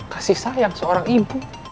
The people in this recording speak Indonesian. kasih sayang seorang ibu